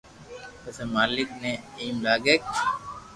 پسي مالڪ ني ايم سھي لاگي